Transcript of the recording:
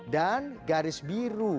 dan garis biru